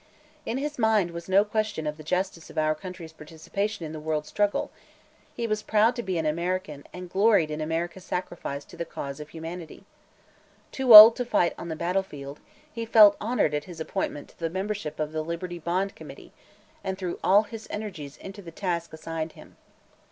In his mind was no question of the justice of our country's participation in the world struggle; he was proud to be an American and gloried in America's sacrifice to the cause of humanity. Too old to fight on the battlefield, he felt honored at his appointment to the membership of the Liberty Bond Committee and threw all his energies into the task assigned him.